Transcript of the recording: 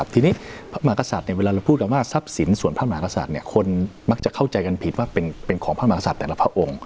ทีนี้พระมหากษัตริย์เวลาเราพูดกันว่าทรัพย์สินส่วนพระมหากษัตริย์คนมักจะเข้าใจกันผิดว่าเป็นของพระมหาศัตว์แต่ละพระองค์